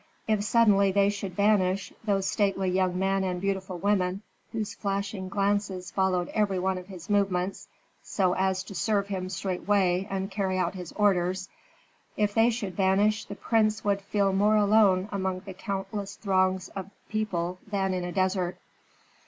If suddenly they should vanish, those stately young men and beautiful women whose flashing glances followed every one of his movements, so as to serve him straightway and carry out his orders, if they should vanish, the prince would feel more alone among the countless throngs of people than in a desert.